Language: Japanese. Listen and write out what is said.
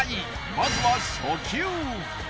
まずは初級